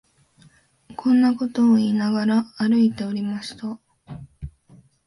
こんなことを言いながら、歩いておりました